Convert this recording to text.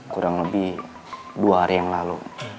kurang lebih dua hari yang lalu